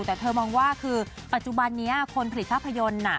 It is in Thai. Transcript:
แต่เธอมองว่าคือปัจจุบันนี้คนผลิตภาพยนตร์